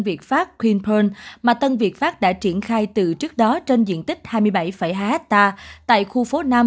việt pháp greenpearl mà tân việt pháp đã triển khai từ trước đó trên diện tích hai mươi bảy hai hectare tại khu phố năm